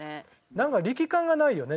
なんか力感がないよね。